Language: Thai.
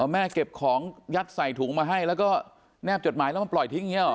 เก็บของยัดใส่ถุงมาให้แล้วก็แนบจดหมายแล้วมาปล่อยทิ้งอย่างนี้หรอ